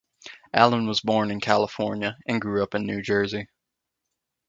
Allen was born in California and grew up in New Jersey.